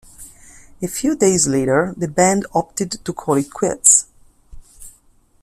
A few days later, the band opted to call it quits.